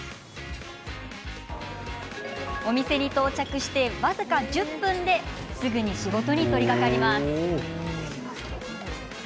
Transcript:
お店に到着して僅か１０分ですぐに仕事に取りかかります。